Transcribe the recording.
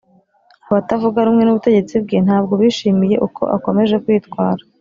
abatavuga rumwe n’ubutegetsi bwe ntabwo bishimiye uko akomeje kwitwara